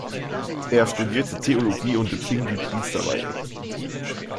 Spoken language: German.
Er studierte Theologie und empfing die Priesterweihe.